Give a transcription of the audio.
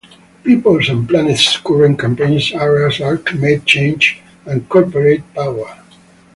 People and Planet's current campaign areas are climate change and corporate power.